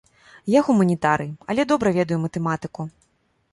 Я гуманітарый, але добра ведаю матэматыку.